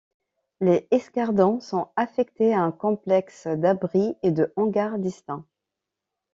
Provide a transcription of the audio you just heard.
Les escadrons sont affectés à un complexe d'abris et de hangar distinct.